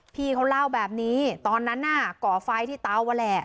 พี่เขาเล่าแบบนี้ตอนนั้นน่ะก่อไฟที่เตานั่นแหละ